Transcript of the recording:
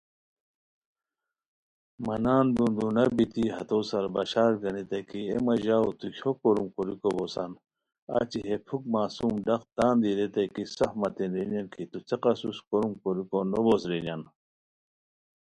مہ نان دُون دُونہ بیتی ہتو سار بشار گانیتائے کی ایے مہ ژاؤ تو کھیو کوروم کوریکو بوسان؟ اچی ہے پُھک معصوم ڈق تان دی ریتائے کی سف متین رینیان کی تو څیق اسوس, کوروم کوریکو نو بوس رینیان